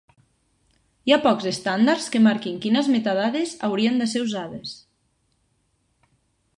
Hi ha pocs estàndards que marquin quines metadades haurien de ser usades.